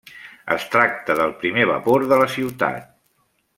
Es tracta del primer vapor de la ciutat.